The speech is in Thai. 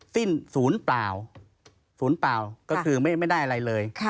สิ้นศูนย์เปล่าก็คือไม่ได้อะไรเลย